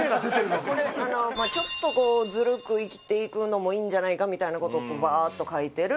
ちょっとずるく生きていくのもいいんじゃないかみたいな事をバーッと書いてる。